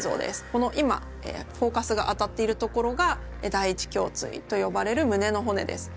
この今フォーカスが当たっている所が第一胸椎と呼ばれる胸の骨です。